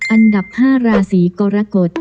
อันดับ๕ราศีกรกฎ